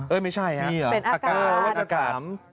เอ้ยไม่ใช่อะเป็นอากาศ